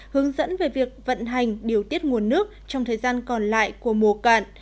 hướng dẫn về việc vận hành điều tiết nguồn nước trong thời gian còn lại của mùa cạn